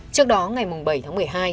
trước đó ngày bảy tháng một mươi hai